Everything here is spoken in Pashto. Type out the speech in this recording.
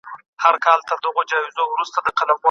مشر له خپلو ملګرو سره په پټه سفر وکړ.